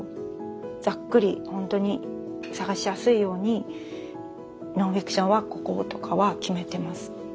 ざっくりほんとに探しやすいようにノンフィクションはこことかは決めてます。